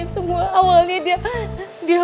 semua awalnya dia